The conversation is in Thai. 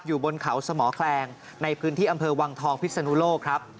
อยู่บนเขาสมแคลงในพื้นที่อำเภอวังทองพิศนุโลกครับ